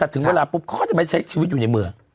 แต่ถึงเวลาปุ๊บเขาก็จะไม่ใช้ชีวิตอยู่ในเมือง